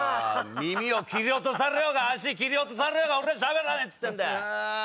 耳を切り落とされようが足切り落とされようが俺喋らねえっつってんだよ。